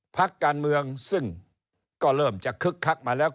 พักการเมืองซึ่งก็เริ่มจะคึกคักมาแล้ว